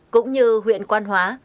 cũng như huyện quan hóa